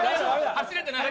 走れてない。